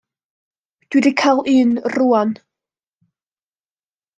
Dw i 'di cael un rŵan.